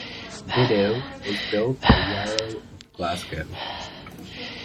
"Dido" was built by Yarrow of Glasgow.